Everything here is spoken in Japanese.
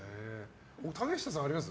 竹下さんあります？